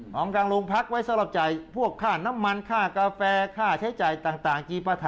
ของกลางโรงพักไว้สำหรับจ่ายพวกค่าน้ำมันค่ากาแฟค่าใช้จ่ายต่างกีปะทะ